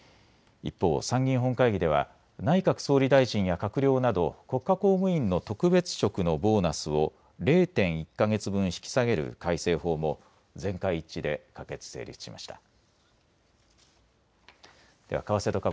一方、参議院本会議では内閣総理大臣や閣僚など国家公務員の特別職のボーナスを０．１か月分引き下げる改正法も全会一致で可決・成立しました。